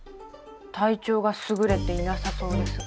体調がすぐれていなさそうですが。